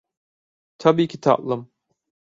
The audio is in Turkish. Tabii ki tatlım.